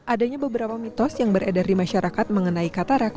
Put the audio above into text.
adanya beberapa mitos yang beredar di masyarakat mengenai katarak